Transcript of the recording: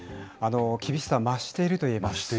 厳しさを増しているといえます。